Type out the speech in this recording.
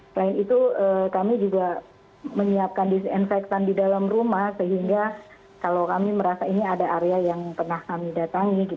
selain itu kami juga menyiapkan disinfektan di dalam rumah sehingga kalau kami merasa ini ada area yang pernah kami datangi